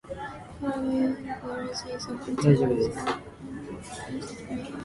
Powell River is home to the Sunshine Coast Trail, Canada's longest hut-to-hut hiking trail.